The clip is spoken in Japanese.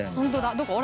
どこ？